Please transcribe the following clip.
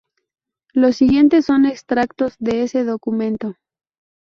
Los siguientes son extractos de ese documento.